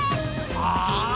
ああ。